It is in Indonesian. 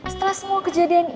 setelah semua kejadian gue